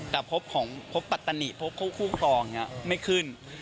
แต่พบของพบปัตตานีพบคู่ครองอย่างนี้ไม่ขึ้น